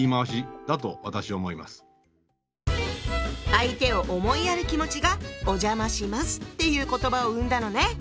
相手を思いやる気持ちが「お邪魔します」っていう言葉を生んだのね。